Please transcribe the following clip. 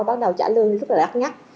bắt đầu trả lương rất là đắt nhắc